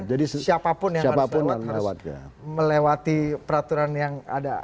jadi siapapun yang harus lewat harus melewati peraturan yang ada